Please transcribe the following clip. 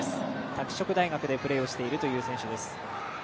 拓殖大学でプレーをしているという選手です。